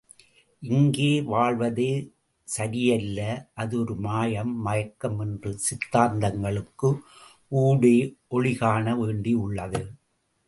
இங்கே வாழ்வதே சரியல்ல அது ஒரு மாயம் மயக்கம் என்ற சித்தாந்தங்களுக்கு ஊடே ஒளி காண வேண்டியுள்ளது.